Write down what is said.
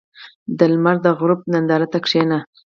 • د لمر د غروب نندارې ته کښېنه.